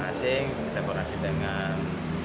kita berkasi dengan